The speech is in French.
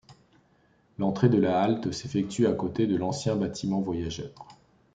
L'entrée de la halte s'effectue à côté de l'ancien bâtiment voyageurs.